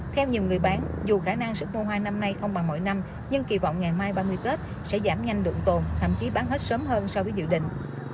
theo nhiều người bán dù khả năng sức mua hoa năm nay không bằng mọi năm nhưng kỳ vọng ngày mai ba mươi tết sẽ giảm nhanh lượng tồn thậm chí bán hết sớm hơn so với dự định